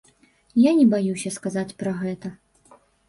Я не баюся сказаць пра гэта.